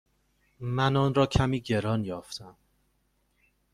من آن را کمی گران یافتم.